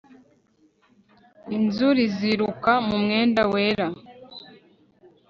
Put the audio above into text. Inzuri ziruka mu mwenda wera